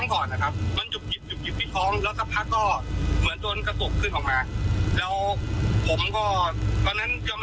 ก็เลื่อยอมรักตรงก็สติผมก็ไม่สุดไม่ดีเหล่ะ